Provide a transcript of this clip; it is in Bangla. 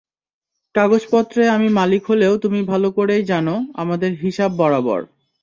কাগজপত্রে আমি মালিক হলেও তুমি ভালো করেই জানো, আমাদের হিসাব বরাবর।